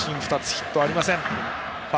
ヒットはありません。